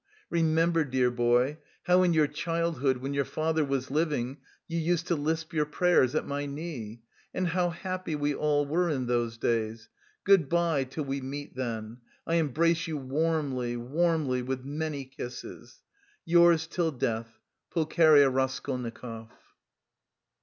Remember, dear boy, how in your childhood, when your father was living, you used to lisp your prayers at my knee, and how happy we all were in those days. Good bye, till we meet then I embrace you warmly, warmly, with many kisses. "Yours till death, "PULCHERIA RASKOLNIKOV."